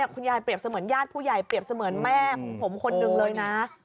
คุณยายเปรียบเสมือนญาติผู้ยายเปรียบเสมือนแม่ผมคนหนึ่งเลยนะ